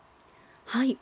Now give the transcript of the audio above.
はい。